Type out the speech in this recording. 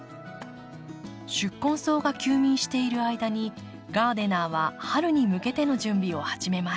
宿根草が休眠している間にガーデナーは春に向けての準備を始めます。